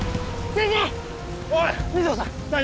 先生！